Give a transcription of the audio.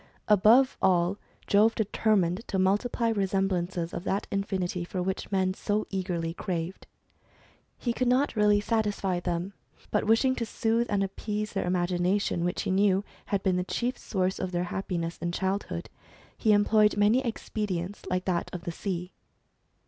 Above all, Jove determined to \ multiply resemblances of that infinity for which men so 1 eagerly craved. He could not really satisfy them, but wishing to soothe and appease their imagination, which 4 HISTORY OF THE HUMAN RACE. he knew had been the chief source of their happiness in childhood, he employed many expedients like that of the sea.